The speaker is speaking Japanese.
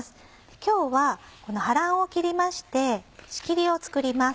今日はこの葉らんを切りまして仕切りを作ります。